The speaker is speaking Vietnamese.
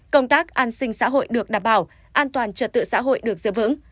công tác an sinh xã hội được đảm bảo an toàn trật tự xã hội được giữ vững